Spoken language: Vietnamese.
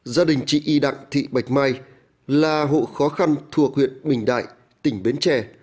gia đình chị y đặng thị bạch mai là hộ khó khăn thuộc huyện bình đại tỉnh bến tre